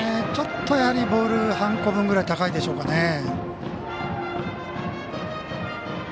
ちょっと、ボール半個分ぐらい高いでしょうかね。